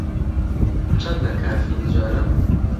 چەندە کافین زۆرە؟